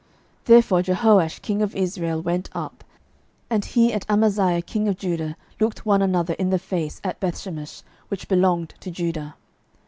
Therefore Jehoash king of Israel went up; and he and Amaziah king of Judah looked one another in the face at Bethshemesh, which belongeth to Judah.